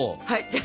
はい。